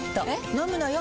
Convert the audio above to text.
飲むのよ。